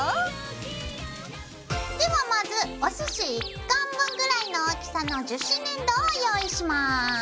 ではまずおすし１貫分ぐらいの大きさの樹脂粘土を用意します。